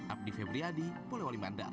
abdi febriyadi polewali mandar